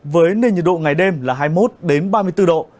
với nền nhiệt độ ngày đêm là hai mươi một ba mươi bốn độ